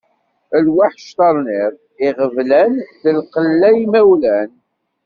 Lweḥc terniḍ iɣeblan d lqella imawlan.